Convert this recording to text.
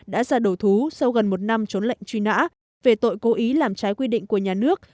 đã ra đổ thú sau gần một năm trốn lệnh truy nã về tội cố ý làm trái quy định của nhà nước